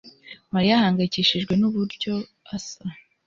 Mariya ahangayikishijwe nuburyo asa